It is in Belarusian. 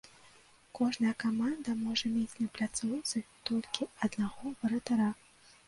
Кожная каманда можа мець на пляцоўцы толькі аднаго варатара.